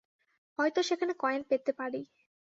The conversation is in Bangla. হয়তো সেখানে কয়েন পেতে পারি।